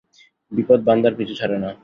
বিপদ বান্দার পিছু ছাড়ে না।